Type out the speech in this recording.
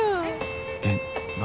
えっ何？